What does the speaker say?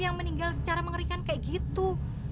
yang meninggal secara mengerikan kayak gitu